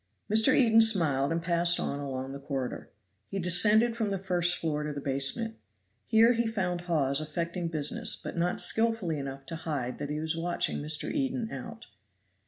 Mr. Eden smiled and passed on along the corridor. He descended from the first floor to the basement. Here he found Hawes affecting business, but not skillfully enough to hide that he was watching Mr. Eden out.